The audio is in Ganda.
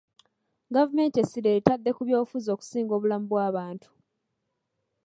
Gavumenti essira eritadde ku byobufuzi okusinga obulamu bw'abantu.